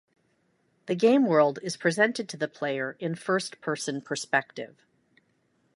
The game world is presented to the player in first person perspective.